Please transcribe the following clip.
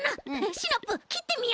シナプーきってみよう！